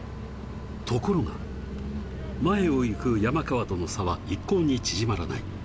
ところが、前を行く山川との差は一向に縮まらない。